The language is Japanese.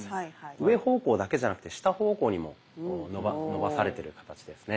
上方向だけじゃなくて下方向にも伸ばされてる形ですね。